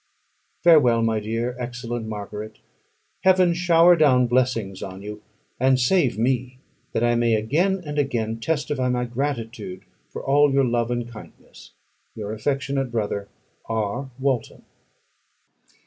Farewell, my dear, excellent Margaret. Heaven shower down blessings on you, and save me, that I may again and again testify my gratitude for all your love and kindness. Your affectionate brother, R. WALTON.